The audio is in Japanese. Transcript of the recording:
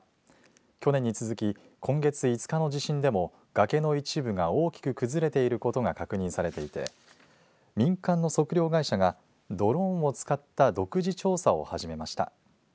去年に続き、今月５日の地震でも崖の一部が大きく崩れていることが確認されていて民間の測量会社がドローンを使った独自調査を始めました。